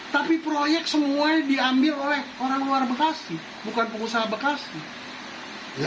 tapi proyek semua diambil oleh orang luar bekasi bukan pengusaha bekasi